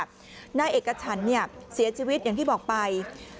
นายเอกฉันเสียชีวิตอย่างที่บอกไป